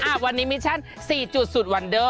อ่ะวันนี้มิชชั่นสี่จุดสุดวันเด้อ